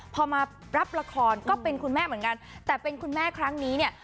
พอมารับละครก็เป็นคุณแม่เหมือนกันแต่เป็นคุณแม่ครั้งนี้เนี่ย